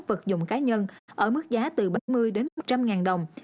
vật dụng cá nhân ở mức giá từ bảy mươi đến một trăm linh ngàn đồng